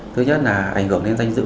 thứ nhất là ảnh hưởng đến danh dự